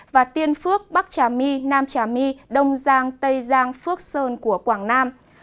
và tiên phước bắc trà my nam trà my đông giang tây giang phước sơn của quảng nam